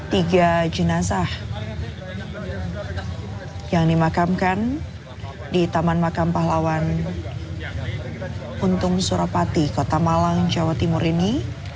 tiga jenazah yang dimakamkan di taman makam pahlawan untung surapati kota malang jawa timur ini